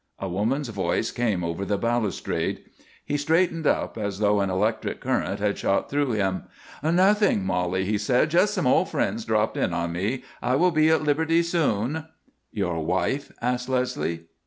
A woman's voice came over the balustrade. He straightened up, as though an electric current had shot through him. "Nothing, Molly," he said. "Just some old friends dropped in on me. I will be at liberty soon." "Your wife?" asked Leslie.